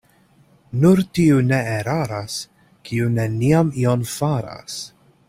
Nur tiu ne eraras, kiu neniam ion faras.